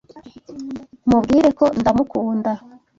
Mubwire ko ndamukunda.